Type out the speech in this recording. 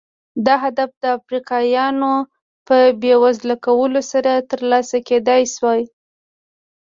دا هدف د افریقایانو په بېوزله کولو سره ترلاسه کېدای شو.